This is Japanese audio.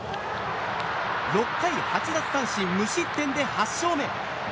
６回８奪三振無失点で８勝目。